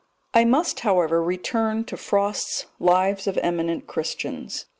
I must, however, return to Frost's Lives of Eminent Christians.